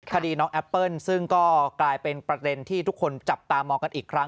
คดีน้องแอปเปิ้ลซึ่งก็กลายเป็นประเด็นที่ทุกคนจับตามองกันอีกครั้ง